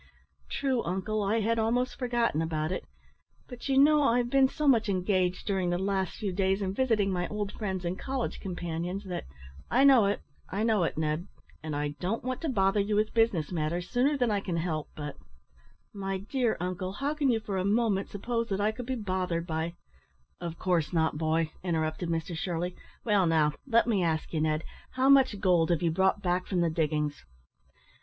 "True, uncle, I had almost forgotten about it, but you know I've been so much engaged during the last few days in visiting my old friends and college companions, that " "I know it, I know it, Ned, and I don't want to bother you with business matters sooner than I can help, but " "My dear uncle, how can you for a moment suppose that I could be `bothered' by " "Of course not, boy," interrupted Mr Shirley. "Well, now, let me ask you, Ned, how much gold have you brought back from the diggings?"